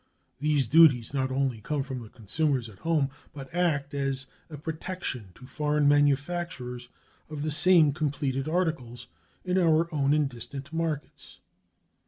These duties not only come from the consumers at home, but act as a protection to foreign manufacturers of the same completed articles in our own and distant markets.